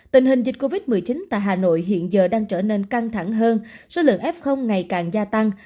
tình hình dịch covid một mươi chín tại hà nội hiện giờ đang trở nên căng thẳng hơn số lượng f ngày càng gia tăng